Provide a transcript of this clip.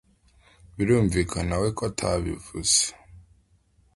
Birumvikanawe ko atabivuze.